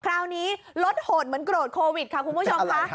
คราวนี้ลดโหดเหมือนโกรธโควิดค่ะคุณผู้ชมค่ะ